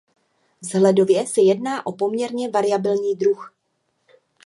Vzhledově se jedná o poměrně variabilní druh.